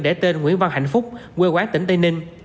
để tên nguyễn văn hạnh phúc quê quán tỉnh tây ninh